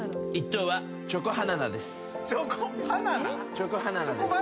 １等はチョコハナナです。